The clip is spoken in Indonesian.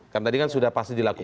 kan tadi kan sudah pasti dilakukan